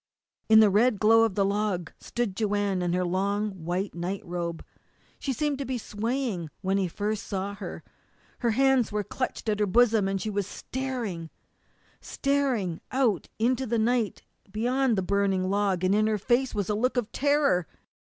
In the red glow of the log stood Joanne in her long white night robe. She seemed to be swaying when he first saw her. Her hands were clutched at her bosom, and she was staring staring out into the night beyond the burning log, and in her face was a look of terror.